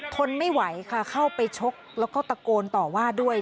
ทนไม่ไหวค่ะเข้าไปชกแล้วก็ตะโกนต่อว่าด้วย